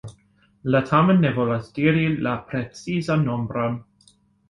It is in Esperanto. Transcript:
Li tamen ne volas diri la precizan nombron.